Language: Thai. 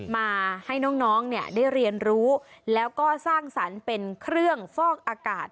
มาให้น้องเนี่ยได้เรียนรู้แล้วก็สร้างสรรค์เป็นเครื่องฟอกอากาศ